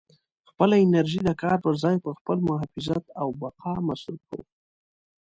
خپله انرژي د کار په ځای پر خپل محافظت او بقا مصروفوئ.